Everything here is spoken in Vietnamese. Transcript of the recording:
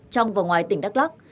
trong và ngoài tỉnh đắk lắk